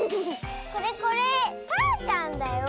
これこれたーちゃんだよ。